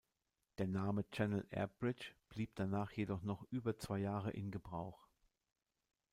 Der Name Channel Air Bridge blieb danach jedoch noch über zwei Jahre in Gebrauch.